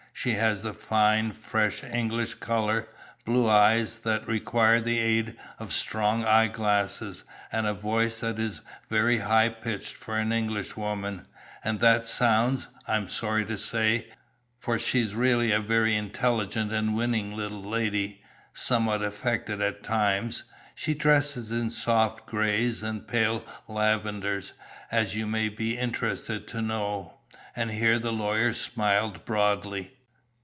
She has the fine, fresh English colour, blue eyes, that require the aid of strong eyeglasses, and a voice that is very high pitched for an Englishwoman, and that sounds, I am sorry to say for she's really a very intelligent and winning little lady somewhat affected at times. She dresses in soft grays and pale lavenders, as you may be interested to know." And here the lawyer smiled broadly.